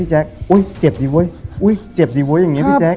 เจ็บดีเว้ย